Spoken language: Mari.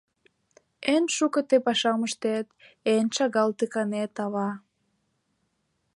Эн шуко тый пашам ыштет, эн шагал тый канет, Ава!